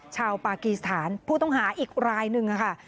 ชาวปากีสถานผู้ต้องหาอีกรายหนึ่งค่ะ